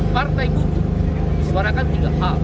partai buruh disuarakan tiga hal